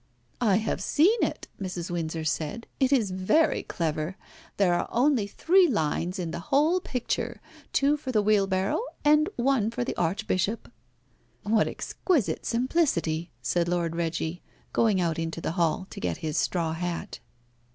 "I have seen it," Mrs. Windsor said; "it is very clever. There are only three lines in the whole picture, two for the wheelbarrow and one for the Archbishop." "What exquisite simplicity!" said Lord Reggie, going out into the hall to get his straw hat.